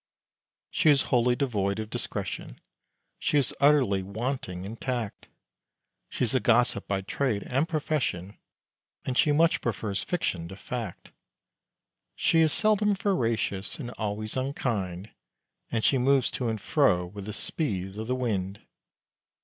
She is wholly devoid of discretion, She is utterly wanting in tact, She's a gossip by trade and profession, And she much prefers fiction to fact. She is seldom veracious, and always unkind, And she moves to and fro with the speed of the wind.